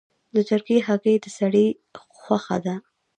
د چرګې هګۍ د سړي خوښه ده.